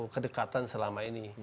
kedekatan selama ini